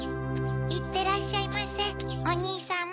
行ってらっしゃいませお兄様。